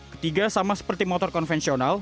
ketiga sama seperti motor konvensional